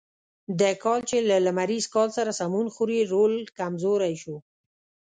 د کال چې له لمریز کال سره سمون خوري رول کمزوری شو.